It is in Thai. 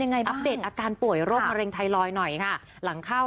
ถึงแม้ว่าจะมาเป็นรับเชิญก็รู้สึกยินดีมากค่ะ